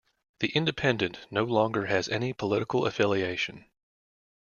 The Independent no longer has any political affiliation.